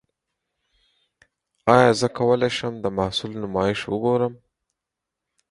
ایا زه کولی شم د محصول نمایش وګورم؟